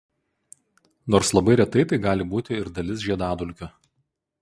Nors labai retai tai gali būti ir dalis žiedadulkių.